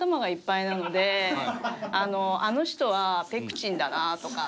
「あの人はペクチンだな」とか。